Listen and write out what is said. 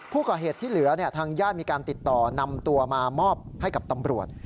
ผู้ก่อเหตุที่เหลือทางญาติมีการติดต่อนำตัวมามอบให้กับตำรวจ